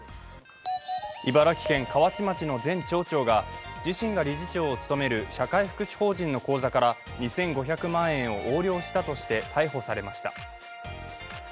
茨城県河内町の前町長が自身が理事長を務める社会福祉法人の口座から２５００万円を横領したとして逮捕されました。